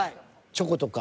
チョコとか。